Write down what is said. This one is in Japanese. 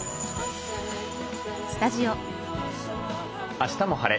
「あしたも晴れ！